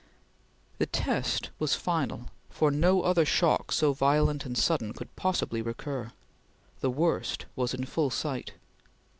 The test was final, for no other shock so violent and sudden could possibly recur. The worst was in full sight.